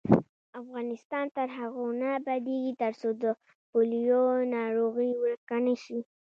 افغانستان تر هغو نه ابادیږي، ترڅو د پولیو ناروغي ورکه نشي.